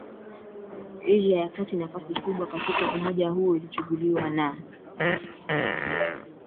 Asia ya Kati Nafasi kubwa katika umoja huo ilichukuliwa na